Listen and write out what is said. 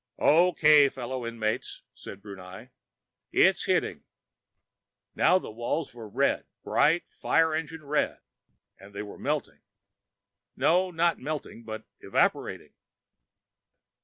"O.K., fellow inmates," said Brunei, "it's hitting." Now the walls were red, bright fire engine red, and they were melting. No, not melting, but evaporating....